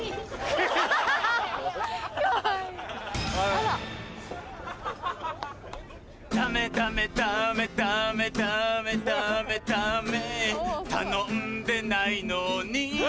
あら。ダメダメダメダメダメダメダメ頼んでないのに